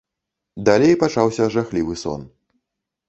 Далей пачаўся жахлівы сон.